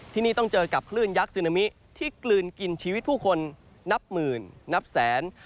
ที่นี่ต้องเจอกับคลื่นยักษ์ซึนามิที่กลืนกินชีวิตผู้คนนับหมื่นนับแสน